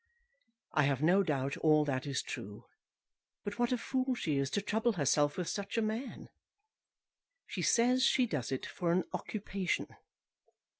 I have no doubt all that is true; but what a fool she is to trouble herself with such a man. She says she does it for an occupation.